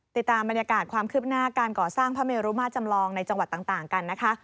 ติดตามบรรยากาศความคืบหน้าการก่อสร้างพระเมรุมาจำลองในจังหวัดต่างกันนะคะ